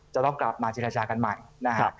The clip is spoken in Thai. จะต้องกลับมาเจรจากันใหม่นะครับ